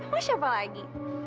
kamu siapa lagi